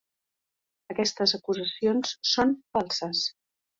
Aquestes acusacions són falses.